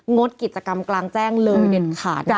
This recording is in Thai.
งดกิจกรรมกลางแจ้งเลยเด็ดขาด